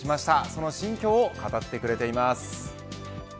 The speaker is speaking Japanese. その心境を語ってくれています。